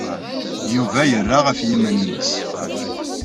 Yuba yerra ɣef yiman-nnes.